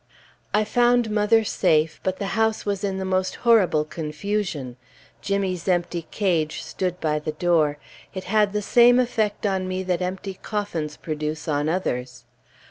I found mother safe, but the house was in the most horrible confusion. Jimmy's empty cage stood by the door; it had the same effect on me that empty coffins produce on others.